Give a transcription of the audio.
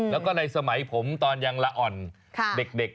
แล้วก็ในสมัยผมตอนยังละอ่อนเด็ก